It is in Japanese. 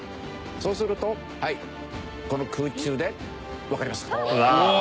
そうすると空中でわかりますか？